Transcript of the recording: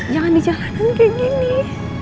jangan di jalanan kayak gini